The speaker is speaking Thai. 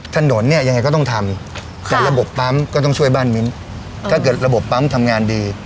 ถนนเนี่ยยังไงก็ต้องทำแต่ระบบปั๊มก็ต้องช่วยบ้านมิ้นถ้าเกิดระบบปั๊มทำงานดี